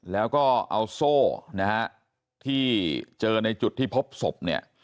แล้วก็เอาโซ่นะฮะที่เจอในจุดที่พบศพเนี่ย